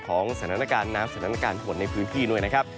สถานการณ์น้ำสถานการณ์ฝนในพื้นที่ด้วยนะครับ